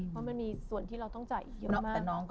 เพราะมันมีส่วนที่เราต้องจ่ายอีกเยอะมาก